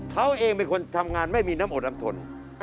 เขาเองเป็นคนทำงานไม่มีน้ำอดน้ำทน